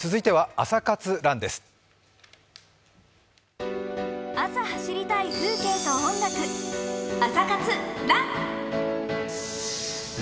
朝走りたい風景と音楽「朝活ＲＵＮ」。